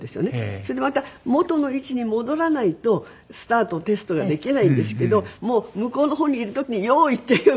それでまた元の位置に戻らないとスタートテストができないんですけどもう向こうの方にいる時に「用意」って言うくらい。